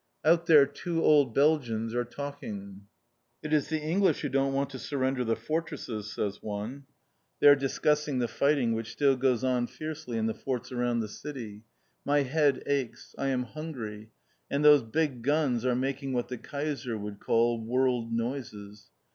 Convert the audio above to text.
Out there two old Belgians are talking. "Ce sont les Anglais qui ne veulent pas rendre les forts!" says one. They are discussing the fighting which still goes on fiercely in the forts around the city. My head aches! I am hungry; and those big guns are making what the Kaiser would call World Noises.